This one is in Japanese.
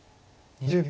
２０秒。